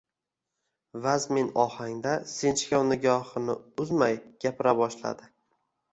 vazmin ohangda, sinchkov nigohini uzmay gapira boshladi: